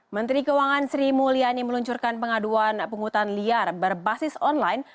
menteri keuangan sri mulyani meluncurkan pengaduan penghutan liar berbasis online